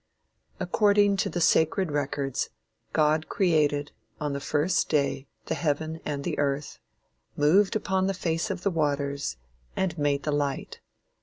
According to the sacred records God created, on the first day, the heaven and the earth, "moved upon the face of the waters," and made the light.